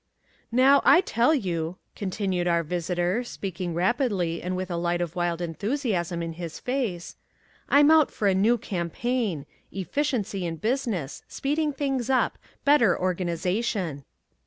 "Now, I tell you," continued our visitor, speaking rapidly and with a light of wild enthusiasm in his face, "I'm out for a new campaign, efficiency in business speeding things up better organization."